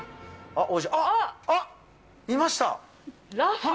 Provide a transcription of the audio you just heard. あっ、いました。